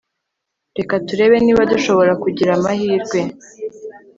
reka turebe niba dushobora kugira amahirwe